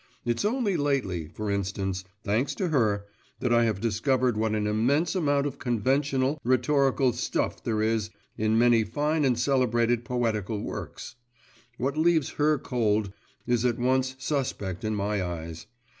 It's only lately, for instance thanks to her that I have discovered what an immense amount of conventional, rhetorical stuff there is in many fine and celebrated poetical works. What leaves her cold is at once suspect in my eyes.